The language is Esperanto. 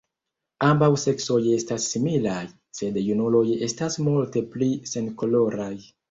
Ambaŭ seksoj estas similaj, sed junuloj estas multe pli senkoloraj.